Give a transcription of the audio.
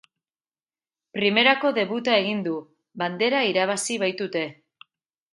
Primerako debuta egin du, bandera irabazi baitute.